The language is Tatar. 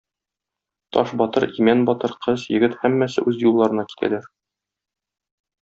Таш батыр, Имән батыр, кыз, егет - һәммәсе үз юлларына китәләр.